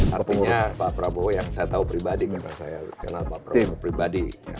artinya pak prabowo yang saya tahu pribadi memang saya kenal pak prabowo pribadi